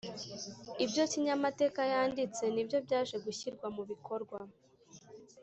ibyo kinyamateka yanditse nibyo byaje gushyirwa mu bikorwa